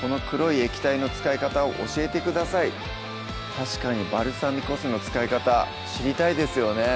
確かにバルサミコ酢の使い方知りたいですよね